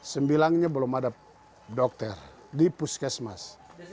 sembilannya belum ada dokter di puskesmas